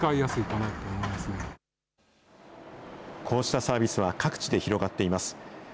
こうしたサービスは各地で広がっています。